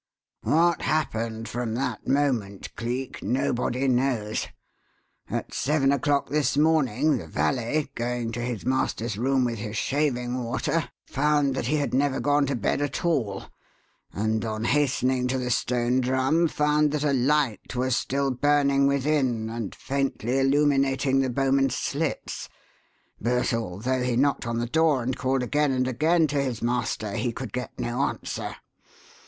"What happened from that moment, Cleek, nobody knows. At seven o'clock this morning the valet, going to his master's room with his shaving water, found that he had never gone to bed at all, and, on hastening to the Stone Drum, found that a light was still burning within and faintly illuminating the bowman's slits; but although he knocked on the door and called again and again to his master, he could get no answer.